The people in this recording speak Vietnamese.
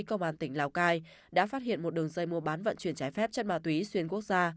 công an tỉnh lào cai đã phát hiện một đường dây mua bán vận chuyển trái phép chất ma túy xuyên quốc gia